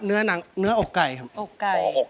สวัสดีครับ